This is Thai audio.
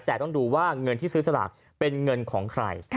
แต่ต้องดูว่าเงินที่ซื้อสลากเป็นเงินของใคร